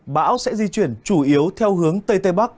bão sẽ di chuyển chủ yếu theo hướng tây tây bắc